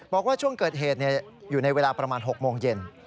บอกว่าช่วงเกิดเหตุอยู่ในเวลาประมาณ๖โมงเย็น